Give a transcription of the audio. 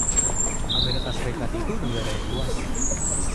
Amerika Serikat itu negara yang luas